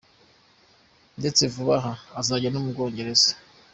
Ndetse vuba aha izajya no mu cyongereza.